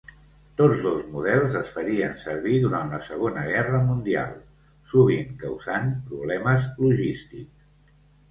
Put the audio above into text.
Tots dos models es farien servir durant la Segona Guerra Mundial, sovint causant problemes logístics.